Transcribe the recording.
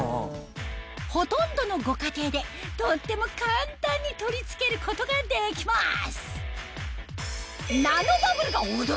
ほとんどのご家庭でとっても簡単に取り付けることができます